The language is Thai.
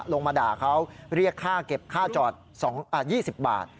ลงมาด่าเขาเรียกค่าเก็บค่าจอด๒๐บาท